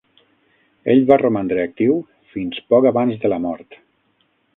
Ell va romandre actiu fins poc abans de la mort.